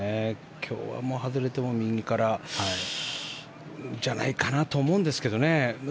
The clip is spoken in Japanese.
今日は外れても右からじゃないかなと思いますけどね。